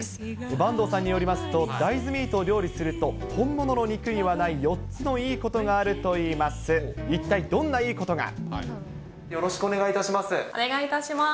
坂東さんによりますと、大豆ミートを料理すると、本物の肉にはない、４つのいいことがあるといいます。